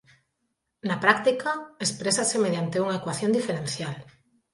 Na práctica, exprésase mediante unha ecuación diferencial